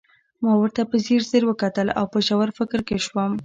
ما ورته په ځیر ځير وکتل او په ژور فکر کې شوم